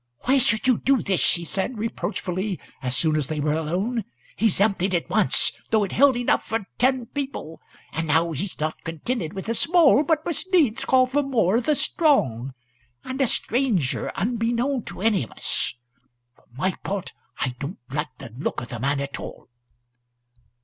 "Why should you do this?" she said, reproachfully, as soon as they were alone. "He's emptied it once, though it held enough for ten people; and now he's not contented wi' the small, but must needs call for more o' the strong! And a stranger unbeknown to any of us! For my part, I don't like the look o' the man at all."